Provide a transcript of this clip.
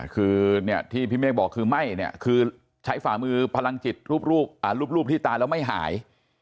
คือที่พี่เมฆบอกคือไม่เนี่ยคือใช้ฝ่ามือพลังจิตรูปที่ตายแล้วไม่หาย